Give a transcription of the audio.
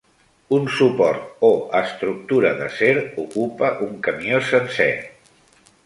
Un suport o estructura d'acer ocupa un camió sencer.